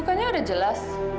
bukannya udah jelas